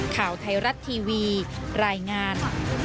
ข่าวไทยรัฐทีวีรายงาน